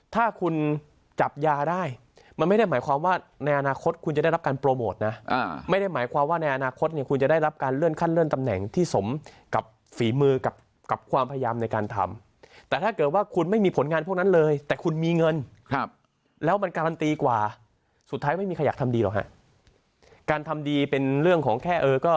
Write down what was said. ถ้าคุณจับยาได้มันไม่ได้หมายความว่าในอนาคตคุณจะได้รับการโปรโมทนะไม่ได้หมายความว่าในอนาคตเนี่ยคุณจะได้รับการเลื่อนขั้นเลื่อนตำแหน่งที่สมกับฝีมือกับความพยายามในการทำแต่ถ้าเกิดว่าคุณไม่มีผลงานพวกนั้นเลยแต่คุณมีเงินครับแล้วมันการันตีกว่าสุดท้ายไม่มีใครอยากทำดีหรอกฮะการทำดีเป็นเรื่องของแค่เออก็